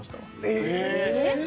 えっ？